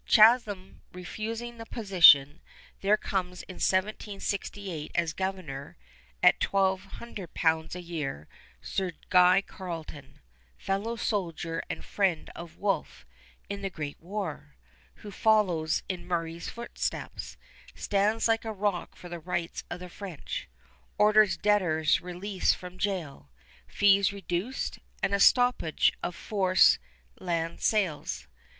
Chatham refusing the position, there comes in 1768 as governor, at 1200 pounds a year, Sir Guy Carleton, fellow soldier and friend of Wolfe in the great war, who follows in Murray's footsteps, stands like a rock for the rights of the French, orders debtors released from jail, fees reduced, and a stoppage of forced land sales.